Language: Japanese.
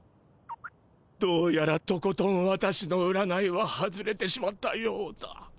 どうやらとことん私の占いは外れてしまったようだ。